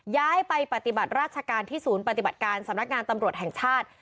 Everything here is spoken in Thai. ย้ายไปปฏิบัติราชการที่ศูนย์ปฏิบัติการสำนักงานตำรวจแห่งชาติ